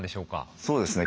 そうですね。